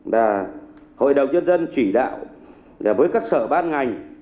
là hội đồng nhân dân chỉ đạo với các sở ban ngành